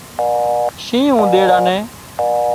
شينهن اُونۮيڙا نين